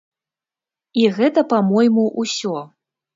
І гэта, па-мойму, усё.